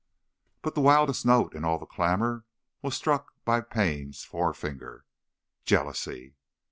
But the wildest note in all the clamour was struck by pain's forefinger, jealousy.